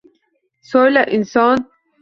«So’yla, inson